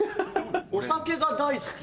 お酒が大好き。